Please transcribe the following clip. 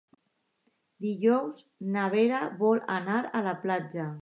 Dijous na Vera vol anar a la platja.